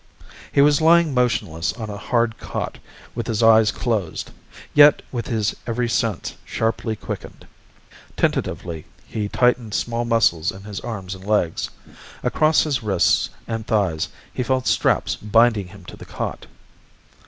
He was lying motionless on a hard cot, with his eyes closed, yet with his every sense sharply quickened. Tentatively he tightened small muscles in his arms and legs. Across his wrists and thighs he felt straps binding him to the cot.